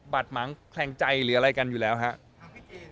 ดหมางแคลงใจหรืออะไรกันอยู่แล้วครับ